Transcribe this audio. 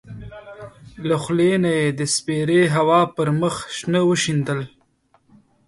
له خولې نه یې د سپېرې هوا پر مخ شنه وشیندل.